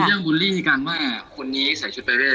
คือเรื่องบุลลี่ที่การว่าคนนี้ใส่ชุดไปเรียน